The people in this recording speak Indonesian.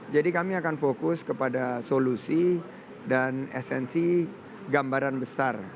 jadi kami akan fokus kepada solusi dan esensi gambaran besar